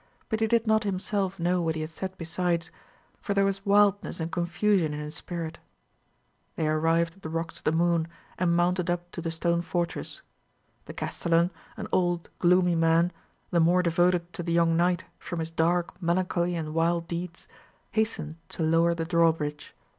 But he did not himself know what he had said besides, for there was wildness and confusion in his spirit. They arrived at the Rocks of the Moon, and mounted up to the stone fortress. The castellan, an old, gloomy man, the more devoted to the young knight from his dark melancholy and wild deeds, hastened to lower the drawbridge.